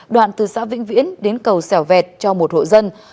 đoạn từ xã vĩnh viễn đến cầu sẻo vẹt cho một hộ dân